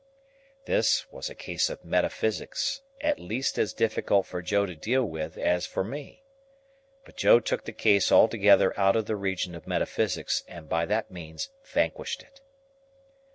This was a case of metaphysics, at least as difficult for Joe to deal with as for me. But Joe took the case altogether out of the region of metaphysics, and by that means vanquished it.